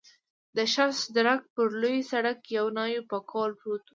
د شش درک پر لوی سړک یو نوی پکول پروت و.